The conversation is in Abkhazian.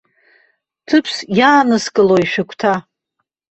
Ҭыԥс иааныскылои шәыгәҭа?